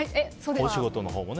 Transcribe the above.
お仕事のほうもね？